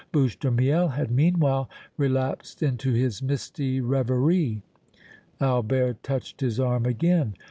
Bouche de Miel had meanwhile relapsed into his misty reverie. Albert touched his arm again.